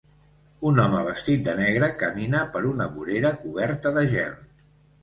Un home vestit de negre camina per una vorera coberta de gel